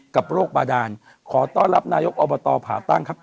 กับโรคบาดานขอต้อนรับนายกอบตผ่าตั้งครับ